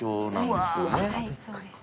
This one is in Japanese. はい。